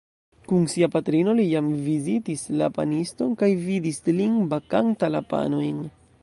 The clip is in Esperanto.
Kun sia patrino li jam vizitis la paniston kaj vidis lin bakanta la panojn.